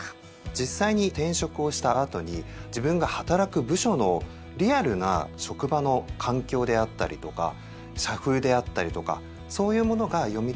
実際に転職をした後に自分が働く部署のリアルな職場の環境であったりとか社風であったりとかそういうものが読み取れない。